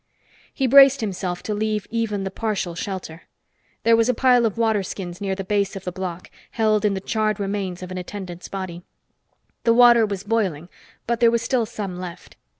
He braced himself to leave even the partial shelter. There was a pile of water skins near the base of the block, held in the charred remains of an attendant's body. The water was boiling, but there was still some left.